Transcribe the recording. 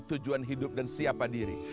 tujuan hidup dan siapa diri